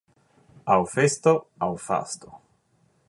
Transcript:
Aŭ festo, aŭ fasto.